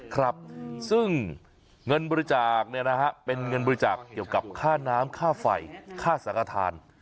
ครับซึ่งเงินบริจาคเนี่ยนะฮะเป็นเงินบริจาคเกี่ยวกับค่าน้ำค่าไฟค่าสาธารณ์